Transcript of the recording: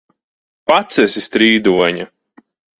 Pats esi strīdoņa!